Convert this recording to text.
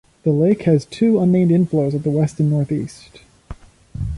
The lake has two unnamed inflows at the west and northeast.